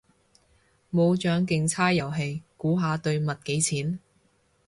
冇獎競猜遊戲，估下對襪幾錢？